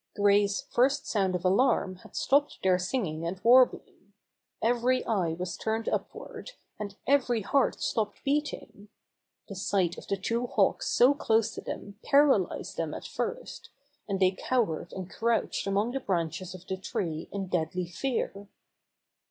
Gray's first sound of alarm had stopped their singing and warbling. Every eye was turned upward, and every heart stopped beating. The sight of the 78 Bobby Gray Squirrel's Adventures two Hawks so close to them paralyzed them at first, and they cowered and crouched among the branches of the tree in deadly fear.